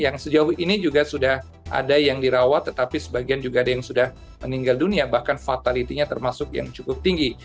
yang sejauh ini juga sudah ada yang dirawat tetapi sebagian juga ada yang sudah meninggal dunia bahkan fatality nya termasuk yang cukup tinggi